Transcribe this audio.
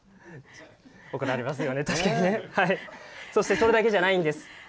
それだけじゃないんです。